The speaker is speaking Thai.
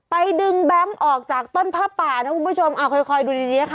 ไปดึงแบ๊มออกจากต้นผ้าป่านะคุณผู้ชมอ่าโคลคอยดูดีป่ะคะ